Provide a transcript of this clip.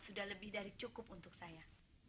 sudah lebih dari cukup untuk saya